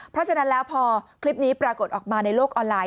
เพราะฉะนั้นแล้วพอคลิปนี้ปรากฏออกมาในโลกออนไลน